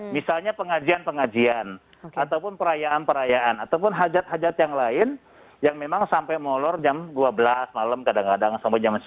misalnya pengajian pengajian ataupun perayaan perayaan ataupun hajat hajat yang lain yang memang sampai molor jam dua belas malam kadang kadang sampai jam sepuluh